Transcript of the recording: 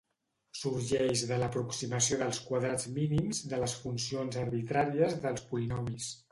Sorgeix de l'aproximació dels quadrats mínims de les funcions arbitràries dels polinomis.